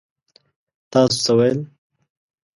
تاسو څه ويل؟